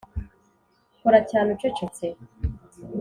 kora cyane ucecetse.